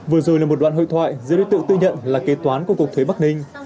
vừa rồi là một đoạn hội thoại giữa đối tượng tự nhận là kế toán của cục thuế bắc ninh